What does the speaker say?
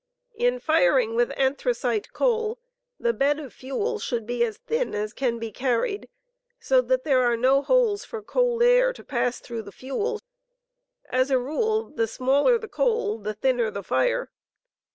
In firing with anthracite coalj the bed of fuel Bhould be as thin as can be car of anthra ried, so that there are no holes for cold air to pass through the fuel; as a rule, the smaller 01 '' the coal, the thinner the fire.